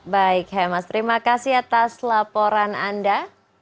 baik he mas terima kasih atas laporan anda